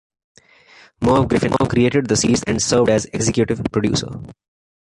Merv Griffin created the series and served as executive producer.